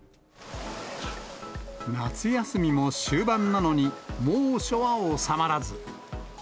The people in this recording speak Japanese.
夏休みも終盤なのに、猛暑は収まらず。